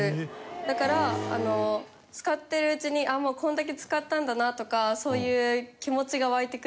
だから使ってるうちにああもうこんだけ使ったんだなとかそういう気持ちが湧いてくるというか。